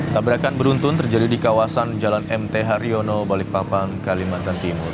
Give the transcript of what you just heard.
tabrakan beruntun terjadi di kawasan jalan mt haryono balikpapan kalimantan timur